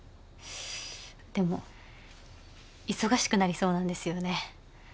でも忙しくなりそうなんですよね